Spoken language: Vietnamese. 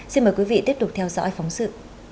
xin mời quý vị tiếp tục theo dõi phóng sự